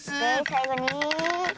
さいごに。